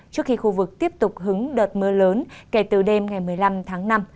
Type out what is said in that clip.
trước khi khu vực tiếp tục hứng đợt mưa lớn kể từ đêm ngày một mươi năm tháng năm